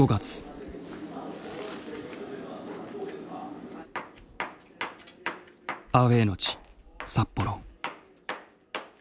アウェーの地札幌。